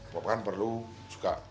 pop kan perlu juga